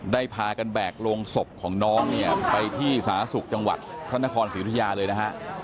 ได้พากันแบกโรงศพของน้องไปที่สหสุทธิ์จังหวัดพระนครศิริยาเลยนะครับ